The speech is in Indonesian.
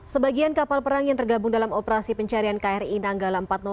sebagian kapal perang yang tergabung dalam operasi pencarian kri nanggala empat ratus dua